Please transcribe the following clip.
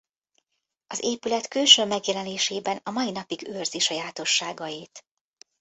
Az épület külső megjelenésében a mai napig őrzi sajátosságait.